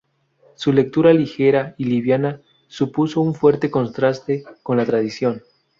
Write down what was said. Su lectura, ligera y liviana, supuso un fuerte contraste con la tradición.